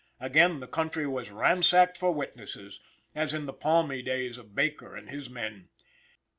Again the country was ransacked for witnesses, as in the palmy days of Baker and his men.